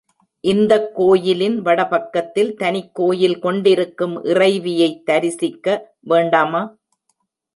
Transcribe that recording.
இந்தக் கோயிலின் வடபக்கத்தில் தனிக் கோயில் கொண்டிருக்கும் இறைவியைத் தரிசிக்க வேண்டாமா?